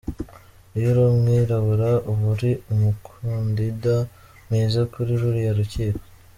Iyo uri umwirabura, uba uri umukandida mwiza kuri ruriya rukiko".